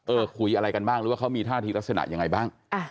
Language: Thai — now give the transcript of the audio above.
คุยอะไรกันบ้างหรือว่าเขามีท่าทีลักษณะยังไงบ้าง